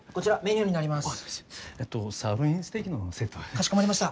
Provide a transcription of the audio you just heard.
かしこまりました。